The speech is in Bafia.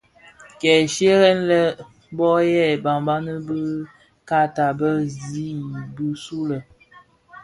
Kè shyeren lè bō yè banbani bë kaata bë zi bisulè.